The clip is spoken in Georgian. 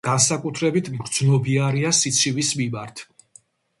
განსაკუთრებით მგრძნობიარეა სიცივის მიმართ.